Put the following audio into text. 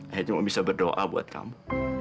hanya cuma bisa berdoa buat kamu